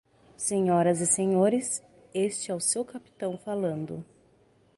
Senhoras e senhores, este é o seu capitão falando.